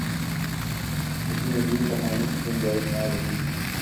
کسی مزید بہانے کی گنجائش نہ رہی۔